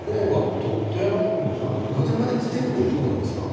土手まで来てるということなんですか。